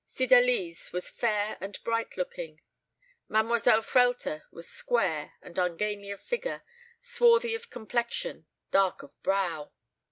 Cydalise was fair and bright looking Mademoiselle Frehlter was square and ungainly of figure, swarthy of complexion, dark of brow.